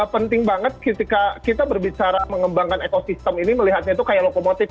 penting banget ketika kita berbicara mengembangkan ekosistem ini melihatnya itu kayak lokomotif